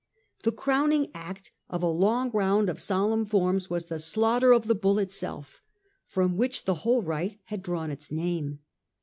The crowning act of a long round of solemn forms was the slaughter of the bull itself, from which the whole rite had drawn its name.